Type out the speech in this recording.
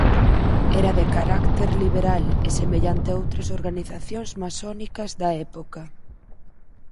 Era de carácter liberal e semellante a outras organizacións masónicas da época.